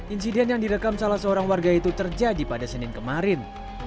insiden yang direkam salah seorang warga itu terjadi pada senin kemarin